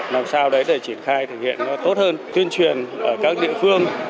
làm sao đấy để triển khai thực hiện nó tốt hơn tuyên truyền ở các địa phương